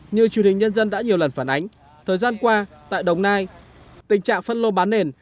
như truyền hình nhân dân đã nhiều lần phản ánh thời gian qua tại đồng nai tình trạng phân lô bán nền